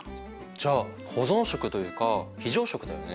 じゃあ保存食というか非常食だよね。